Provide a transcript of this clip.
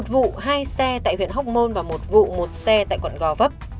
một vụ hai xe tại huyện hóc môn và một vụ một xe tại quận gò vấp